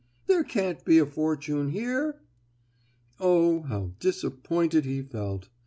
There can't be a fortune here!" Oh, how disappointed he felt.